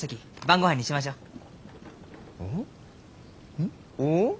うん？おお？